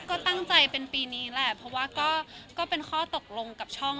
ก็ตั้งใจเป็นปีนี้แหละเพราะว่าก็เป็นข้อตกลงกับช่อง